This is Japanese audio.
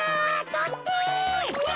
とって！